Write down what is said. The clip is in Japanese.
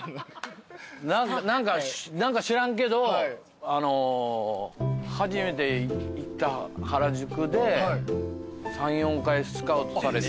何か知らんけど初めて行った原宿で３４回スカウトされて。